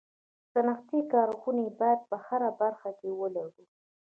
صنعتي کارخوني باید په هره برخه کي ولرو